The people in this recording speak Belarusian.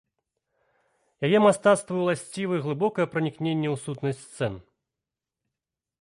Яе мастацтву ўласцівы глыбокае пранікненне ў сутнасць сцэн.